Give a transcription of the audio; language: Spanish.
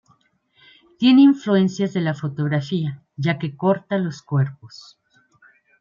Tiene influencias de la fotografía, ya que corta los cuerpos.